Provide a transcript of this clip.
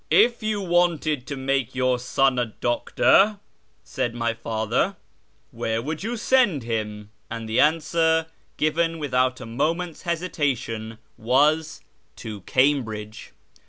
" If you wanted to make your son a doctor," said my father, " where would you send him ?" And the answer, given without a moment's hesitation, was, " To Cambridge."